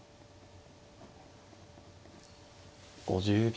５０秒。